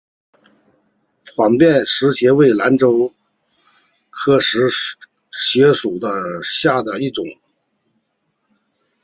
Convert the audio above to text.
反瓣石斛为兰科石斛属下的一个种。